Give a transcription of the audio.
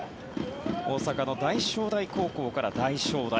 大阪の大商大高校から大商大